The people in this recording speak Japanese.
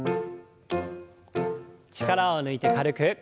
力を抜いて軽く。